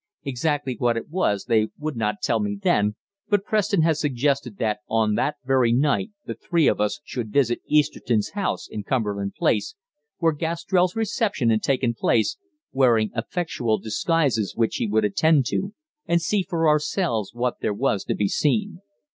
Exactly what it was they would not tell me then, but Preston had suggested that on that very night the three of us should visit Easterton's house in Cumberland Place, where Gastrell's reception had taken place, wearing effectual disguises which he would attend to, and see for ourselves what there was to be seen.